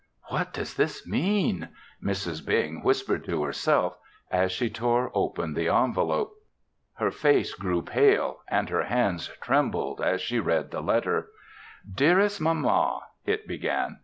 "What does this mean?" Mrs. Bing whispered to herself, as she tore open the envelope. Her face grew pale and her hands trembled as she read the letter. "Dearest Mamma," it began.